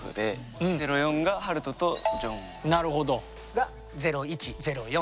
が０１０４。